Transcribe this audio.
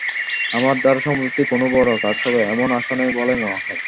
আমার দ্বারা সম্প্রতি কোন বড় কাজ হবে, এমন আশা নেই বলেই মনে হয়।